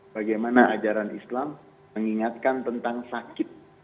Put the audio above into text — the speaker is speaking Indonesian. bagaimana ajaran islam mengingatkan tentang sakit